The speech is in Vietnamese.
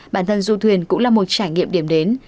bản thân du thuyền cũng là một trải nghiệm điểm đến